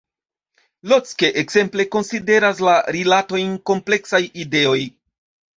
Locke, ekzemple, konsideras la rilatojn “kompleksaj ideoj”.